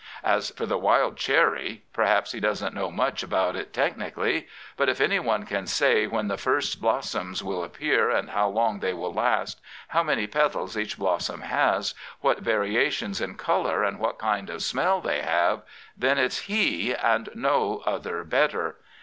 As for the wild che^ ... perhaps he doesn't know much about it techniSlly ;... but if anyone can say when the first blossoms will appear and how long they will last, how many petals each blossom has, what variations in colour and what kind of smell they have, then it's he, and no other better.